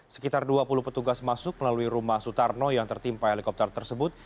sekitar dua puluh petugas masuk melalui rumah sutarno yang tertimpa helikopter tersebut